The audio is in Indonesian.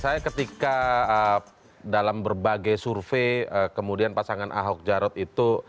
saya ketika dalam berbagai survei kemudian pasangan ahok jarot itu